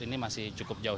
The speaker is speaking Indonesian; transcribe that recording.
ini masih cukup jauh